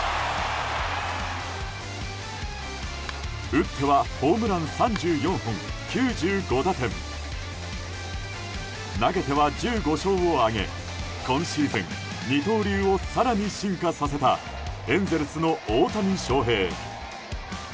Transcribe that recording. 打ってはホームラン３４本、９５打点投げては１５勝を挙げ今シーズン二刀流を更に進化させたエンゼルスの大谷翔平。